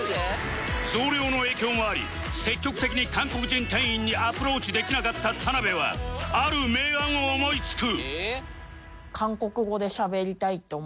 増量の影響もあり積極的に韓国人店員にアプローチできなかった田辺はある名案を思いつく